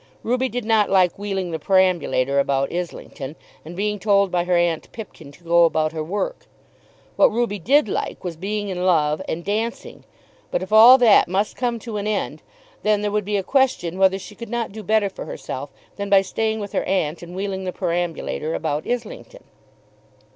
Ruby did not like wheeling the perambulator about Islington, and being told by her aunt Pipkin to go about her work. What Ruby did like was being in love and dancing; but if all that must come to an end, then there would be a question whether she could not do better for herself, than by staying with her aunt and wheeling the perambulator about Islington.